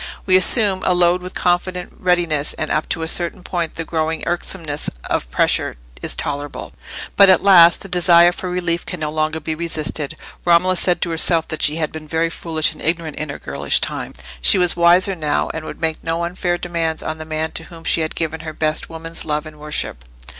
We assume a load with confident readiness, and up to a certain point the growing irksomeness of pressure is tolerable; but at last the desire for relief can no longer be resisted. Romola said to herself that she had been very foolish and ignorant in her girlish time: she was wiser now, and would make no unfair demands on the man to whom she had given her best woman's love and worship.